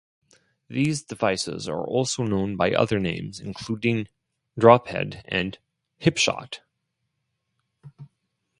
These devices are also known by other names including 'drop head' and 'hipshot'.